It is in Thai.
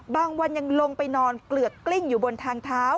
บางวันยังลงไปนอนเกลือกกลิ้งอยู่บนทางเท้า